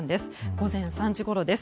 午前３時ごろです。